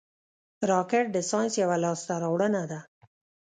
راکټ د ساینس یوه لاسته راوړنه ده